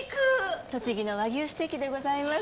栃木の和牛ステーキでございます。